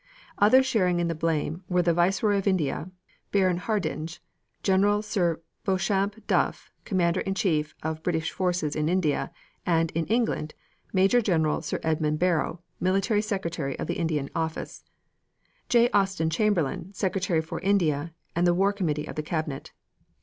Others sharing the blame were the Viceroy of India, Baron Hardinge, General Sir Beauchamp Duff, Commander in Chief of the British forces in India, and, in England, Major General Sir Edmund Barrow, Military Secretary of the India office, J. Austen Chamberlain, Secretary for India, and the War Committee of the Cabinet.